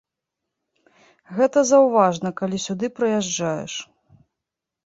Гэта заўважна, калі сюды прыязджаеш.